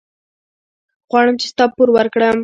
غواړم چې ستا پور ورکړم.